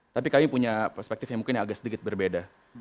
tapi kami punya perspektif yang mungkin agak sedikit berbeda